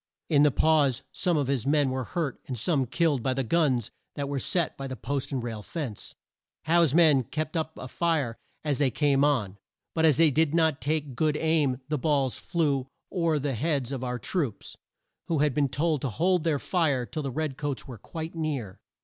In the pause some of his men were hurt and some killed by the guns that were set by the post and rail fence. Howe's men kept up a fire as they came on, but as they did not take good aim the balls flew o'er the heads of our troops, who had been told to hold their fire till the red coats were quite near.